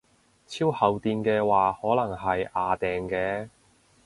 超厚墊嘅話可能係掗掟嘅